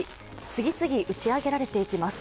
次々、打ち上げられていきます。